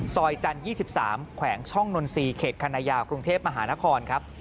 ซอยจันทร์๒๓แขวงช่องนนทรีย์เขตคณะยากรุงเทพมหานครครับ